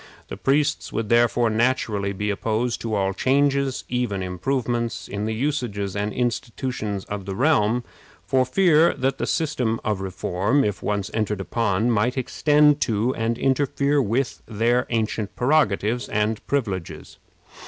The priests would therefore naturally be opposed to all changes even improvements in the usages and institutions of the realm, for fear that the system of reform, if once entered upon, might extend to and interfere with their ancient prerogatives and privileges.